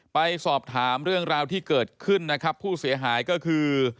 ไปสอบถามเรื่องราวที่เกิดขึ้นนะครับผู้เสียหายก็คือ